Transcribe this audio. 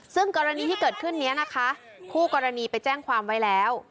ซึ่งกรณีที่เกิดขึ้นนี้นะคะคู่กรณีไปแจ้งความไว้แล้ว